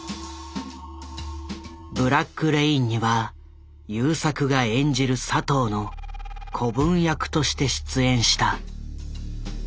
「ブラック・レイン」には優作が演じる佐藤の子分役として出演した。